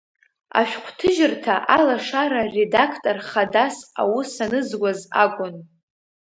Ашәҟәҭыжьырҭа Алашара редактор хадас аус анызуаз акәын.